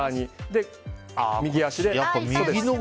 で、右足で。